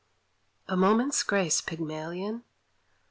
A moment's grace, Pygmalion!